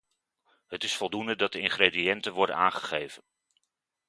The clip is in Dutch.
Het is voldoende dat de ingrediënten worden aangegeven.